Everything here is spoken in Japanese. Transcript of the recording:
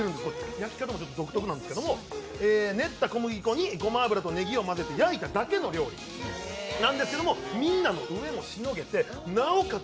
焼き方も独特なんですけれども、練った小麦粉にごま油とねぎを混ぜて焼いただけの料理なんですけど、みんなの飢えもしのげて、なおかつ